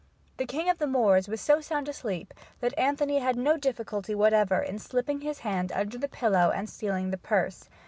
The king of the Moors was so sound asleep that Anthony had no difficulty whatever in slipping his hand under the pillow and stealing the purse.